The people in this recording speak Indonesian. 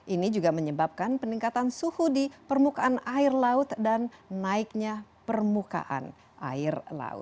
ini juga menyebabkan peningkatan suhu di permukaan air laut dan naiknya permukaan air laut